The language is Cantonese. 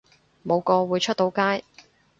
冇個會出到街